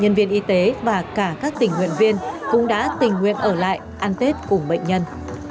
nhân viên y tế và cả các tình nguyện viên cũng đã tình nguyện ở lại ăn tết cùng bệnh nhân